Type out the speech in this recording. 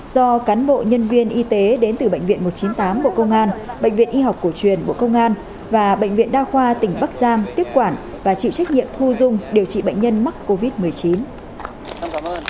do cán bộ nhân viên y tế đến từ bệnh viện một trăm chín mươi tám bộ công an bệnh viện y học cổ truyền bộ công an và bệnh viện đa khoa tỉnh bắc giang tiếp quản và chịu trách nhiệm thu dung điều trị bệnh nhân mắc covid một mươi chín